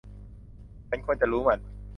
ฉันควรจะรู้มัน